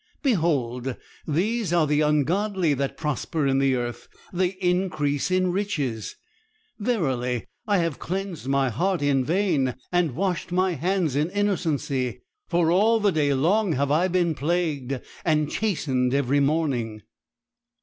Behold, these are the ungodly that prosper in the earth; they increase in riches. Verily I have cleansed my heart in vain, and washed my hands in innocency. For all the day long have I been plagued, and chastened every morning.'